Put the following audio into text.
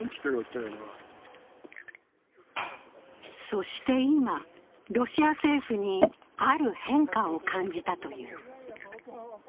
そして今、ロシア政府にある変化を感じたという。